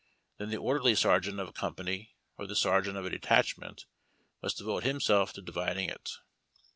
Then tlie oi'derly sergeant of a company or the sergeant of a detachment must devote himself to dividing it.